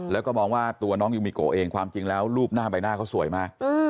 แล้วก็มองว่าตัวน้องยูมิโกเองความจริงแล้วรูปหน้าใบหน้าเขาสวยมาก